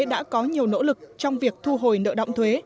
đã có nhiều nỗ lực trong việc thu hồi nợ động thuế